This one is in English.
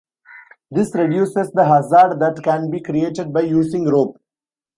This reduces the hazard that can be created by using rope.